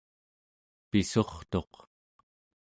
pissurtuq